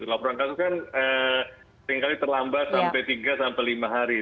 laporan kasus kan seringkali terlambat sampai tiga sampai lima hari